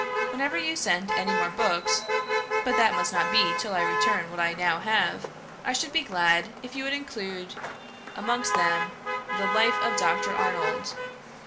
Whenever you send any more books (but that must not be till I return what I now have) I should be glad if you would include amongst them the 'Life of Dr. Arnold.'